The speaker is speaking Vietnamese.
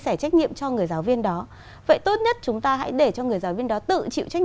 sẻ trách nhiệm cho người giáo viên đó vậy tốt nhất chúng ta hãy để cho người giáo viên đó tự chịu trách